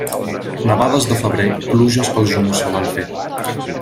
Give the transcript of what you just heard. Nevades de febrer, pluges pel juny solen fer.